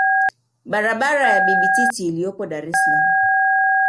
Barabara ya Bibi Titi iliyopo Dar es salaam